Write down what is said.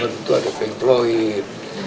itu ada pink floyd